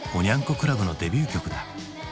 クラブのデビュー曲だ。